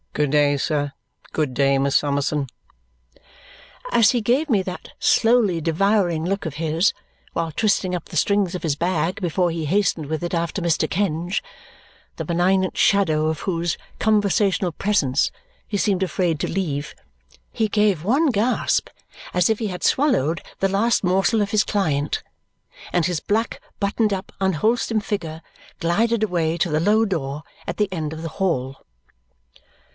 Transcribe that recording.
Good day, sir; good day, Miss Summerson." As he gave me that slowly devouring look of his, while twisting up the strings of his bag before he hastened with it after Mr. Kenge, the benignant shadow of whose conversational presence he seemed afraid to leave, he gave one gasp as if he had swallowed the last morsel of his client, and his black buttoned up unwholesome figure glided away to the low door at the end of the Hall.